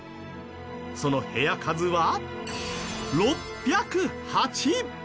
その部屋数は６０８。